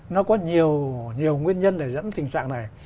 nó có nhiều nguyên nhân để dẫn đến tình trạng này